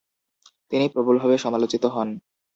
তিনি প্রবলভাবে সমালোচিত হন।